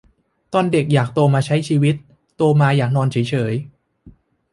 ตอนเด็กอยากโตมาใช้ชีวิต โตมาอยากนอนเฉยเฉย